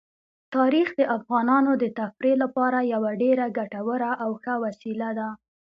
تاریخ د افغانانو د تفریح لپاره یوه ډېره ګټوره او ښه وسیله ده.